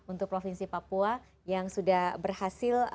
untuk provinsi papua yang sudah berhasil